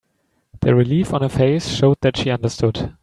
The relief on her face showed that she understood.